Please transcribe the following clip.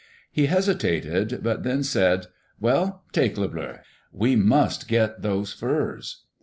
He hesitated, but then said : "Well, take Le Bleu. We must get those furs."